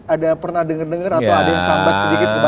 ada pernah dengar dengar atau ada yang sambat sedikit